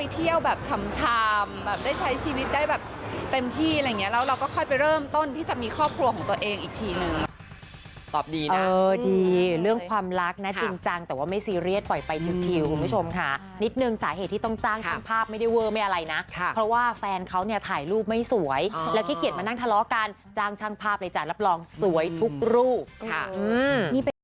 ตอบดีนะเออดีเรื่องความรักนะจริงจังแต่ว่าไม่ซีเรียสปล่อยไปชิวคุณผู้ชมค่ะนิดหนึ่งสาเหตุที่ต้องจ้างช่างภาพไม่ได้เวอร์ไม่อะไรนะค่ะเพราะว่าแฟนเขาเนี้ยถ่ายรูปไม่สวยอ๋อแล้วขี้เกียจมานั่งทะเลาะกันจ้างช่างภาพเลยจ้ะรับรองสวยทุกรูปค่ะอืม